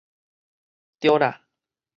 著啦